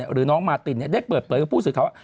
หรือน้องมาตินนะได้เปลี่ยนผู้ดิจข่าว